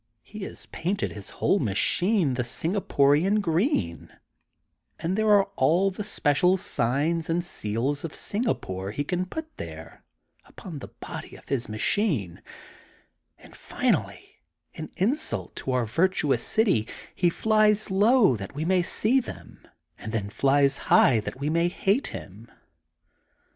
He has painted his whole machine the Singaporian green and there are all the special signs and seals of Singapore he can put there, upon the body of his machine, and finally, in insult to our virtuous city, he flies low that we may see them and then flies high that we may hate him.